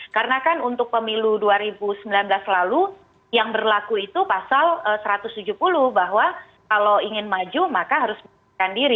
karena kan untuk pemilu dua ribu sembilan belas lalu yang berlaku itu pasal satu ratus tujuh puluh bahwa kalau ingin maju maka harus memperhatikan diri